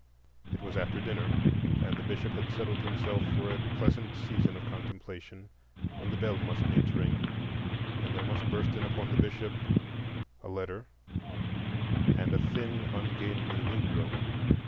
It was after dinner, and the Bishop had settled himself for a pleasant season of contemplation, when the bell must needs ring, and there must burst in upon the Bishop a letter and a thin, ungainly Negro.